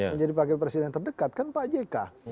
menjadi wakil presiden terdekat kan pak jk